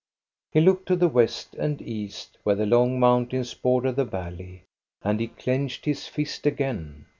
He looked to the west and east, where the long mountains border the valley, and he clenched his fist again.